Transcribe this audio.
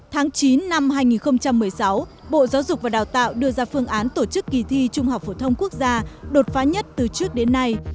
tháng chín năm hai nghìn một mươi sáu bộ giáo dục và đào tạo đưa ra phương án tổ chức kỳ thi trung học phổ thông quốc gia đột phá nhất từ trước đến nay